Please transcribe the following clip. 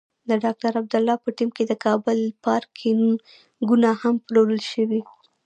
د ډاکټر عبدالله په ټیم کې د کابل پارکېنګونه هم پلورل شوي.